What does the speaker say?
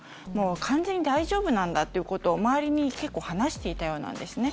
完全に大丈夫なんだということを周りに結構話していたようなんですね。